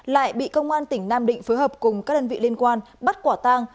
lại bị công an tỉnh nam định phối hợp cùng các đơn vị liên quan bắt quả tang